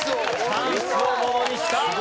チャンスをものにした。